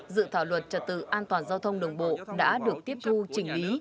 dự thảo luật trật tự an toàn giao thông đường bộ đã được tiếp thu chỉnh lý